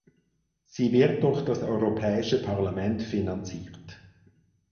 Sie wird durch das Europäische Parlament finanziert.